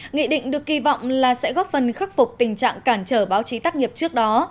nghị định được kỳ vọng là sẽ góp phần khắc phục tình trạng cản trở báo chí tác nghiệp trước đó